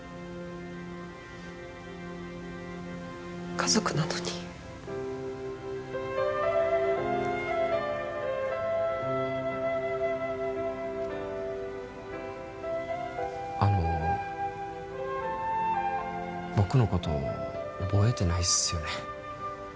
家族なのにあの僕のこと覚えてないっすよね